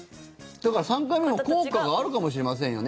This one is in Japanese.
だから３回目も効果はあるかもしれませんよね。